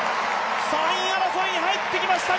３位争いに入ってきました！